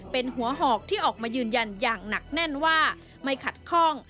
เป็นหัวหอกที่ออกมายืนยันอย่างหนักแน่นว่าไม่ขัดข้อง